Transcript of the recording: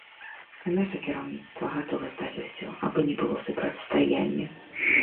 А наша кіраўніцтва гатова здаць усё, абы не было супрацьстаяння.